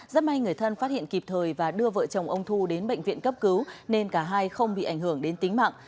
rất may người thân phát hiện kịp thời và đưa vợ chồng ông thu đến bệnh viện cấp cứu nên cả hai không bị ảnh hưởng đến tính mạng